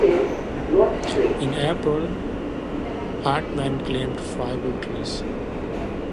In April Hartmann claimed five victories.